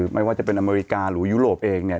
ไม่ว่าจะเป็นอเมริกาหรือยุโรปเองเนี่ย